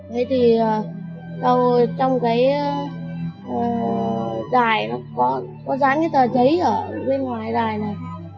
thế thì trong cái đài nó có dán cái tờ giấy ở bên ngoài đài này